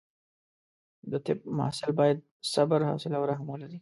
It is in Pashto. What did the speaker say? د طب محصل باید صبر، حوصله او رحم ولري.